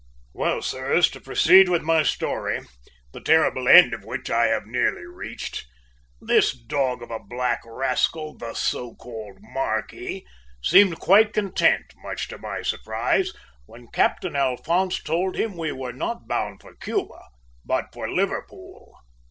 Well, sirs, to proceed with my story, the terrible end of which I have nearly reached, this dog of a black rascal, the so called marquis, seemed quite content, much to my surprise, when Captain Alphonse told him we were not bound for Cuba, but for Liverpool.